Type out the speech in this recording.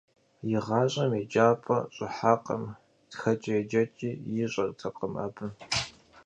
ИгъащӀэм еджапӏэ щӀыхьакъым, тхэкӀэ-еджэкӀи ищӀэртэкъым абы.